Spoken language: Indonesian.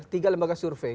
tiga lembaga survei